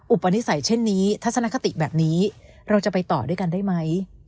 อุปนิสัยเช่นนี้ทัศนคติแบบนี้เราจะไปต่อด้วยกันได้ไหม